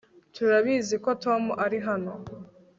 turabizi ko tom ari hano